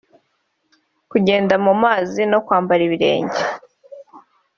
kungenda mu mazi no kwambara ibirenge